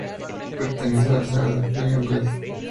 Pertenece a la saga "Fire Emblem".